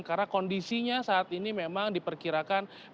karena kondisi yang terjadi di kepala basarnas ini masih belum bisa dikonfirmasi